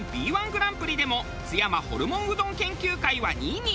Ｂ−１グランプリでも津山ホルモンうどん研究会は２位に。